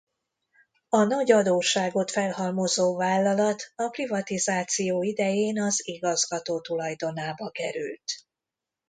A nagy adósságot felhalmozó vállalat a privatizáció idején az igazgató tulajdonába került.